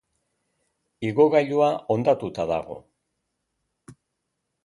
Igogailua hondatuta dago.